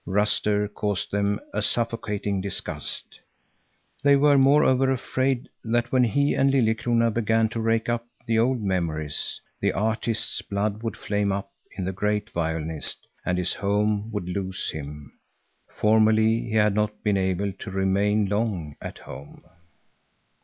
Ruster caused them a suffocating disgust. They were moreover afraid that when he and Liljekrona began to rake up the old memories, the artist's blood would flame up in the great violinist and his home would lose him. Formerly he had not been able to remain long sit home.